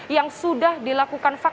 yang sudah dilakukan vaksin